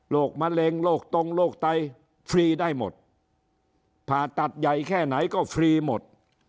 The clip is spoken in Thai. มะเร็งโรคตรงโรคไตฟรีได้หมดผ่าตัดใหญ่แค่ไหนก็ฟรีหมด